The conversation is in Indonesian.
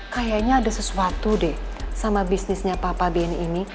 kayaknya ada sesuatu deh sama bisnisnya papa benn ini